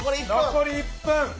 残り１分。